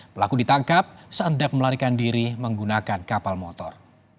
pelaku ditangkap seandak melarikan diri menggunakan kapal motor